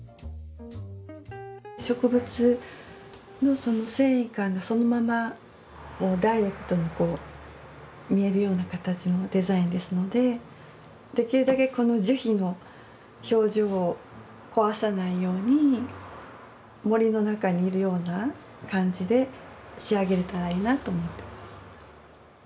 植物の繊維感がそのままダイレクトに見えるような形のデザインですのでできるだけこの樹皮の表情を壊さないように森の中にいるような感じで仕上げれたらいいなと思ってます。